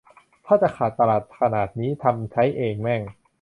ถ้าจะขาดตลาดขนาดนี้ ทำใช้เองแม่ง